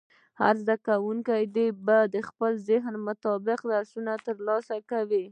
هر زده کوونکی به د خپل ذهن مطابق درسونه ترلاسه کوي.